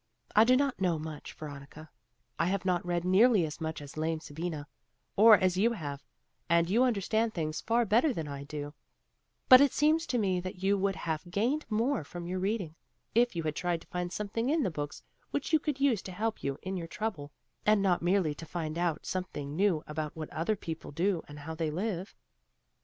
I do not know much, Veronica; I have not read nearly as much as lame Sabina, or as you have, and you understand things far better than I do; but it seems to me that you would have gained more from your reading, if you had tried to find something in the books, which you could use to help you in your trouble, and not merely to find out something new about what other people do and how they live."